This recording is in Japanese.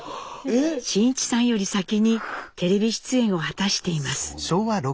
真一さんより先にテレビ出演を果たしています。